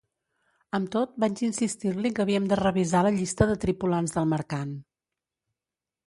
Amb tot, vaig insistir-li que havíem de revisar la llista de tripulants del mercant.